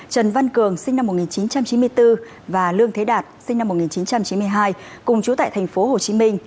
trần văn cường sinh năm một nghìn chín trăm chín mươi bốn và lương thế đạt sinh năm một nghìn chín trăm chín mươi hai cùng trú tại thành phố hồ chí minh